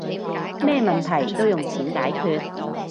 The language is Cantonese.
咩問題都用錢解決